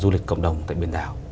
du lịch cộng đồng tại biển đảo